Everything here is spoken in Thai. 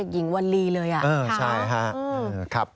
หญิงวันลีเลยอ่ะครับใช่ค่ะ